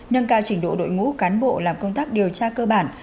nâng cao trình độ đội ngũ cán bộ làm công tác điều tra cơ bản